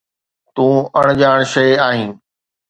تون اڻڄاڻ شيءِ آهين